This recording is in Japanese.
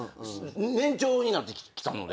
年長になってきたので。